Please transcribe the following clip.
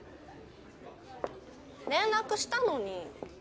連絡したのに。